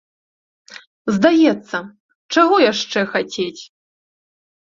Здаецца, чаго яшчэ хацець?